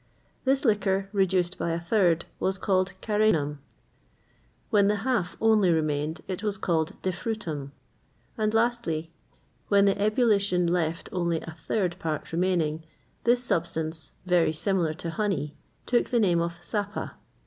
[XXVIII 58] This liquor, reduced by a third, was called carenum;[XXVIII 59] when the half only remained, it was called defrutum;[XXVIII 60] and, lastly, when the ebullition left only a third part remaining, this substance, very similar to honey, took the name of sapa.